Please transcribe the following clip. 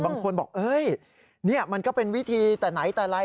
บางคนบอกนี่มันก็เป็นวิธีแต่ไหนแต่ไร